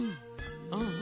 ああ。